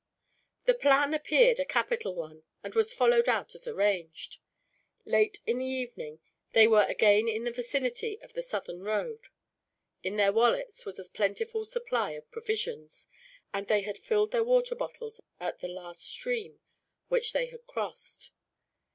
The plan appeared a capital one, and was followed out as arranged. Late in the evening, they were again in the vicinity of the southern road. In their wallets was a plentiful supply of provisions, and they had filled their water bottles at the last stream which they had crossed.